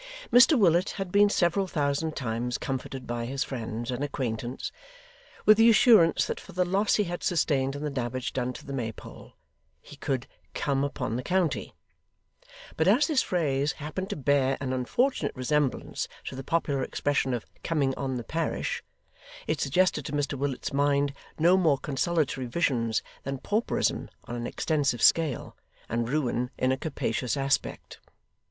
Mr Willet had been several thousand times comforted by his friends and acquaintance, with the assurance that for the loss he had sustained in the damage done to the Maypole, he could 'come upon the county.' But as this phrase happened to bear an unfortunate resemblance to the popular expression of 'coming on the parish,' it suggested to Mr Willet's mind no more consolatory visions than pauperism on an extensive scale, and ruin in a capacious aspect.